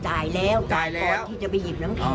จ่ายแล้วจ่ายก่อนที่จะไปหยิบหนังสือ